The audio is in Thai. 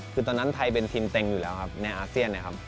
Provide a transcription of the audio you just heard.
คือตอนนั้นไทยเป็นทีมเต็งอยู่แล้วครับในอาเซียนนะครับ